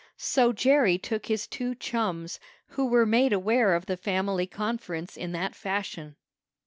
So Jerry took his two chums, who were made aware of the family conference in that fashion.